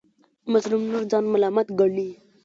مظلوم نور ځان ملامت ګڼي.